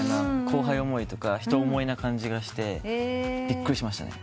後輩思いとか人思いな感じがしてびっくりしましたね。